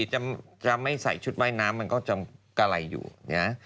จะไม่ใส่ชุดว่ายน้ำมันก็จะกะไหลอยู่นะ